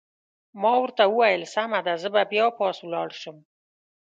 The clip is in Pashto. ما ورته وویل: سمه ده، زه به بیا پاس ولاړ شم.